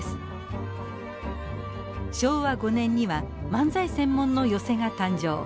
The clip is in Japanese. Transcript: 昭和５年には萬歳専門の寄席が誕生。